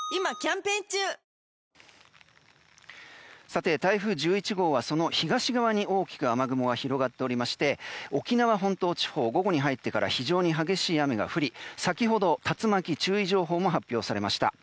さて、台風１１号はその東側に大きく雨雲が広がっておりまして沖縄本島地方、午後に入ってから非常に激しい雨が降り先ほど、竜巻注意情報も発表されました。